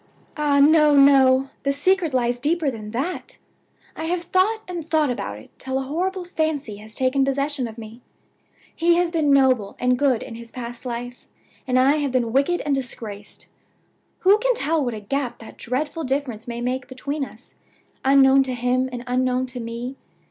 "Ah, no! no! the secret lies deeper than that! I have thought and thought about it till a horrible fancy has taken possession of me. He has been noble and good in his past life, and I have been wicked and disgraced. Who can tell what a gap that dreadful difference may make between us, unknown to him and unknown to me?